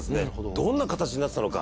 どんな形になってたのか。